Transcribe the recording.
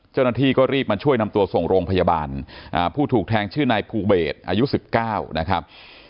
เจ้าหน้าที่ก็รีบมาช่วยนำตัวส่งโรงพยาบาลผู้ถูกแทงชื่อนายภูเบสอายุ๑๙นะครับ